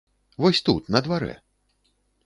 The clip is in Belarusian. Вось тут, на дварэ!